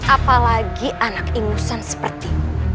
apalagi anak ingusan seperti